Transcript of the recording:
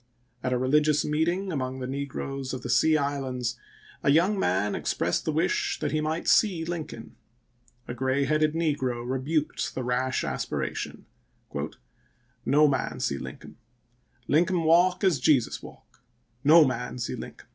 At a religious meeting among the negroes of the Sea Islands a young man expressed the wish that he might see Lincoln. A gray headed negro rebuked the rash aspiration: "No man see Linkum. Linkum walk as Jesus walk — no man see Linkum."